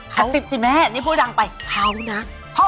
กระสิปจริงแม่นี่พูดดังไปเช้านัก